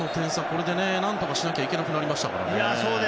これで何とかしなきゃいけなくなりましたからね。